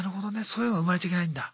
そういうの生まれちゃいけないんだ。